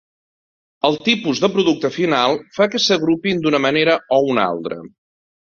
El tipus de producte final fa que s'agrupin d'una manera o una altra.